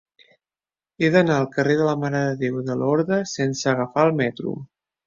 He d'anar al carrer de la Mare de Déu de Lorda sense agafar el metro.